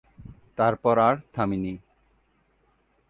তারপর আর থামিনি।